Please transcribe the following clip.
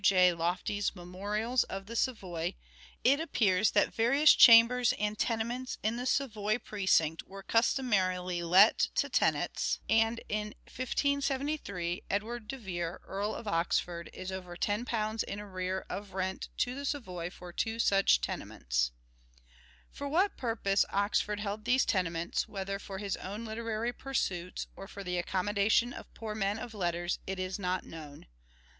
J. Lof tie's Memorials of the Savoy, it appears that various chambers and tenements in the Savoy precinct were customarily let to tenants, and in 1573 Edward de Vere, Earl of 21 332 " SHAKESPEARE " IDENTIFIED Oxford, is over £10 in arrear of rent to the Savoy for two such tenements." For what purpose Oxford held these tenements, whether for his own literary pui suits, or for the accommodation of poor men of letters, is not known.